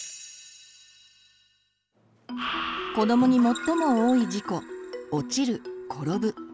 子どもに最も多い事故「落ちる」「転ぶ」。